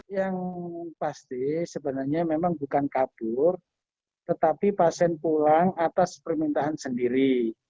yang pasti sebenarnya memang bukan kabur tetapi pasien pulang atas permintaan sendiri